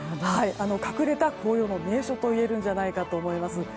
隠れた紅葉の名所といえるんじゃないかと思います。